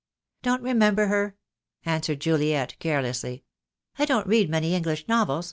"Don't remember her," answered Juliet, carelessly. "I don't read many English novels.